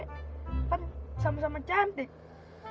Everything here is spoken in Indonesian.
kan sama sama cantik